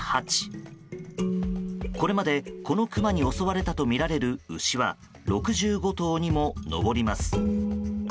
これまでこのクマに襲われたとみられる牛は６５頭にも上ります。